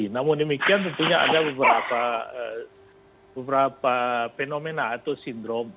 namun demikian tentunya ada beberapa fenomena atau sindrom